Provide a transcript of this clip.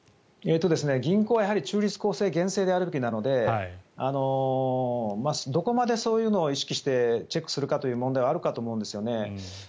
銀行は中立、公正、厳正であるべきなのでどこまでそういうのを意識してチェックするかという問題はあると思うんですね。